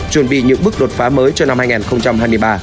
chuẩn bị những bước đột phá mới cho năm hai nghìn hai mươi ba